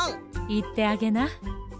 いってあげな。